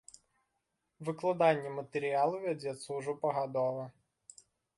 Выкладанне матэрыялу вядзецца ўжо пагадова.